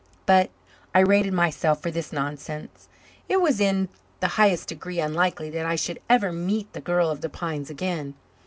But I rated myself for this nonsense. It was in the highest degree unlikely that I should ever meet the girl of the pines again.